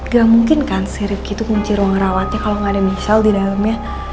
gak mungkin kan si rivki itu kunci ruang rawatnya kalau nggak ada misal di dalamnya